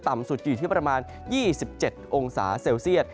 สุดจะอยู่ที่ประมาณ๒๗องศาเซลเซียต